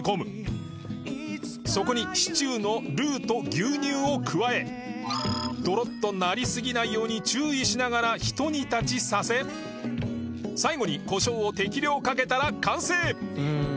そこにシチューのルーと牛乳を加えドロッとなりすぎないように注意しながら一煮立ちさせ最後に胡椒を適量かけたら完成